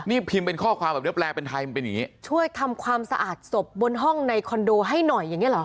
นี่พิมพ์เป็นข้อความแบบเนี้ยแปลเป็นไทยมันเป็นอย่างงี้ช่วยทำความสะอาดศพบนห้องในคอนโดให้หน่อยอย่างเงี้เหรอ